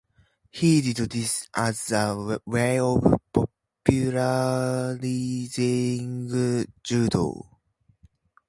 He did this as a way of popularizing jodo.